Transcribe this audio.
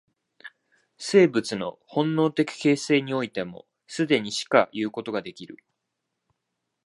生物の本能的形成においても、既にしかいうことができる。